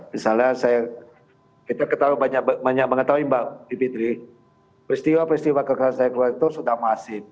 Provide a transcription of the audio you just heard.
misalnya kita ketahui banyak banyak mbak bivitri peristiwa peristiwa kekerasan ekonomi itu sudah masif